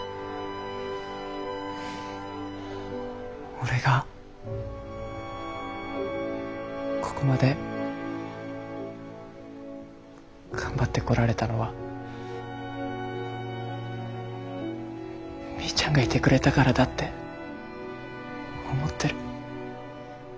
俺がこごまで頑張ってこられたのはみーちゃんがいてくれたからだって思ってる。